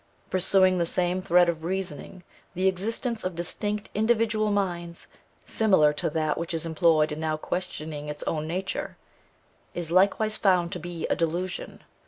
Pursuing the same thread of reasoning, the existence of distinct individual minds, similar to that which is employed in now questioning its own nature, is likewise found to be a delusion.